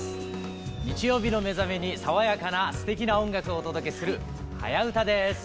日曜日の目覚めにさわやかなすてきな音楽をお届けする「はやウタ」です。